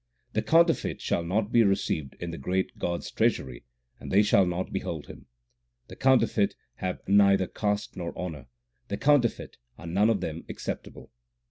The counterfeit shall not be received in the great God s treasury, and they shall not behold Him. The counterfeit have neither caste nor honour ; the counterfeit are none of them acceptable.